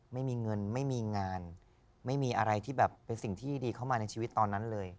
ไม่มีเงินไม่มีงานไม่มีอะไรที่แบบเป็นสิ่งที่ดีเข้ามาในชีวิตตอนนั้นเลย